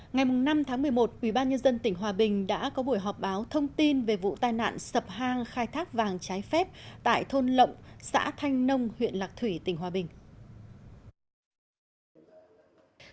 ngày năm tháng một mươi một ubnd tỉnh hòa bình đã có buổi họp báo thông tin về vụ tai nạn sập hang khai thác vàng trái phép tại thôn lộng xã thanh nông huyện lạc thủy tỉnh hòa bình